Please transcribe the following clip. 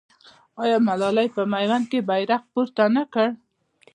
آیا ملالۍ په میوند کې بیرغ پورته نه کړ؟